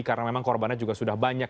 karena memang korbannya juga sudah banyak